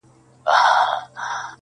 آزادي هلته نعمت وي د بلبلو -